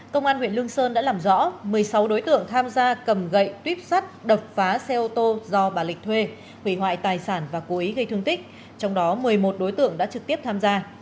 công an huyện lương sơn đã làm rõ một mươi sáu đối tượng tham gia cầm gậy tuyếp sắt đập phá xe ô tô do bà lịch thuê hủy hoại tài sản và cố ý gây thương tích trong đó một mươi một đối tượng đã trực tiếp tham gia